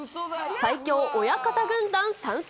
最強親方軍団参戦。